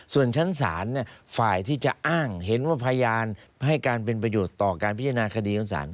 ส่วนชั้นศาลฝ่ายที่จะอ้างเห็นว่าพยานให้การเป็นประโยชน์ต่อการพิจารณาคดีของศาล